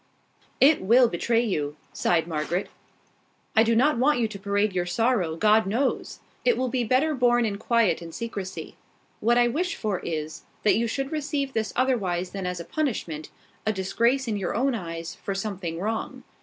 "It will betray you," sighed Margaret. "I do not want you to parade your sorrow, God knows! It will be better borne in quiet and secrecy. What I wish for you is, that you should receive this otherwise than as a punishment, a disgrace in your own eyes for something wrong.